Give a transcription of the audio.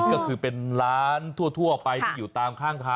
ก็คือเป็นร้านทั่วออกไปอยู่ตามข้าง